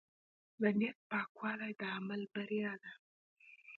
د نیت پاکوالی د عمل بریا ده.